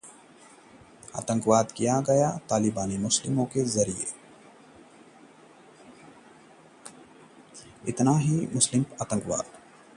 Karnataka high court में चपरासी पदों के लिए वैकेंसी